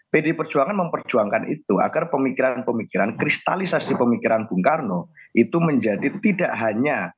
pdi perjuangan memperjuangkan itu agar pemikiran pemikiran kristalisasi pemikiran bung karno itu menjadi tidak hanya